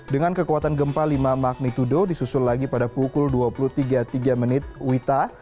dengan kekuatan gempa lima magnitudo disusul lagi pada pukul dua puluh tiga menit wita